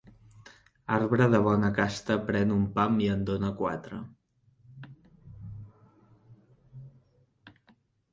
Arbre de bona casta pren un pam i en dóna quatre.